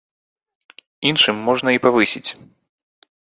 Іншым можна і павысіць.